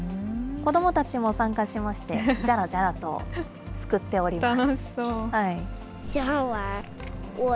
子どもたちも参加しまして、じゃらじゃらとすくっております。